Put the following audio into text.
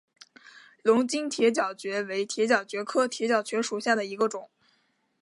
龙津铁角蕨为铁角蕨科铁角蕨属下的一个种。